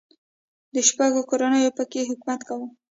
د شیزو کورنۍ په کې حکومت کاوه.